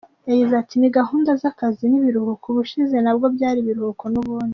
Yagize ati "Ni gahunda z’akazi n’ibiruhuko, ubushize nabwo byari ibiruhuko n’ubundi.